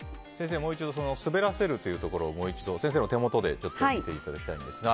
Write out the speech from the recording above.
滑らせるというところをもう一度先生の手元で見ていただきたいんですが。